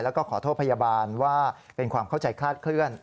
แล้วก็ขอโทษพยาบาลว่าเป็นความเข้าใจคลาดเคลื่อน